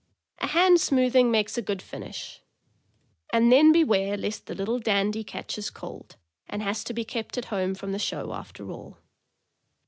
A hand smoothing makes a good finish; and then beware lest the little dandy catches cold, and has to be kept at home from the show after all.